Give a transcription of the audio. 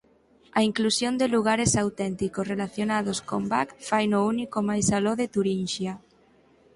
A inclusión de lugares auténticos relacionados con Bach faino único máis aló de Turinxia.